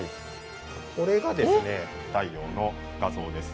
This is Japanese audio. これがですね太陽の画像です。